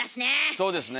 そうですね。